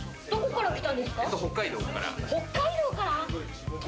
北海道から。